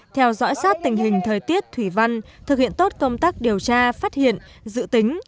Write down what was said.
theo dõi sát tình hình thời tiết thủy văn thực hiện tốt công tác điều tra phát hiện dự tính